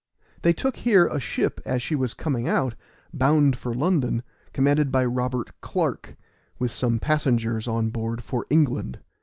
They took here a ship as she was coming out, bound for London, commanded by Robert Clark, with some passengers on board for England.